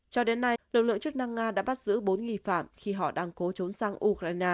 cho đến nay lực lượng chức năng nga đã bắt giữ bốn nghi phạm khi họ đang cố trốn sang ukraine